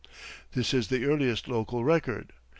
This is the earliest local record.